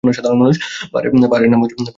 পাহাড়ের নাম হচ্ছে গারো পাহাড়।